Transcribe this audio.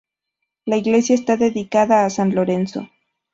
La iglesia está dedicada a san Lorenzo.